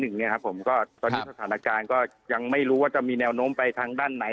ผมก็ตอนนี้สถานการณ์ก็ยังไม่รู้ว่าจะมีแนวโน้มไปทางด้านไหน